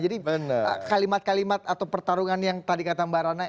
jadi kalimat kalimat atau pertarungan yang tadi kata mbak arana